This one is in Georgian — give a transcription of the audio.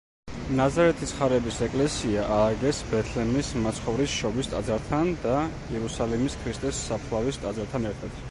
ნაზარეთის ხარების ეკლესია ააგეს ბეთლემის მაცხოვრის შობის ტაძართან და იერუსალიმის ქრისტეს საფლავის ტაძართან ერთად.